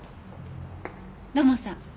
土門さん。